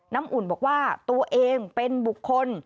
อุ่นบอกว่าตัวเองเป็นบุคคล